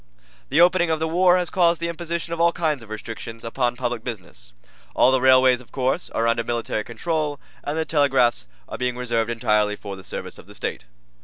The opening of the war has caused the imposition of all kinds of restrictions upon public business. All the railways, of course, are under military control, and the telegraphs are being reserved entirely for the service of the State.